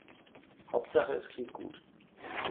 Hauptsache es klingt gut.